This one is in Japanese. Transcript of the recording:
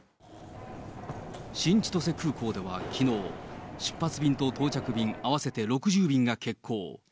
新千歳空港ではきのう、出発便と到着便合わせて６０便が欠航。